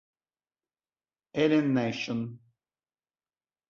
Alien Nation